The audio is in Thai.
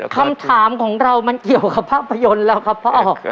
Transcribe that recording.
คำถามของเรามันเกี่ยวกับภาพยนตร์แล้วครับพ่อ